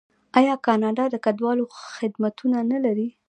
آیا کاناډا د کډوالو خدمتونه نلري؟